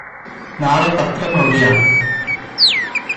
നാളെ പത്രം അവധിയാണോ